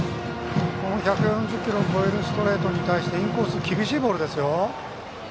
１４０キロを超えるストレートに対してインコースの厳しいボールですよ。